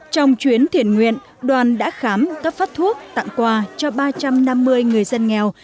trong chuyến thiền nguyện đoàn đã khám cấp phát thuốc tặng quà cho ba trăm năm mươi người dân nghèo